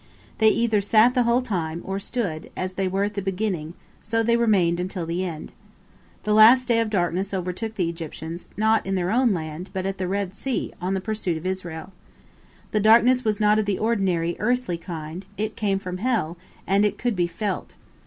They either sat the whole time, or stood; as they were at the beginning, so they remained until the end. The last day of darkness overtook the Egyptians, not in their own land, but at the Red Sea, on their pursuit of Israel. The darkness was not of the ordinary, earthly kind; it came from hell, and it could be felt.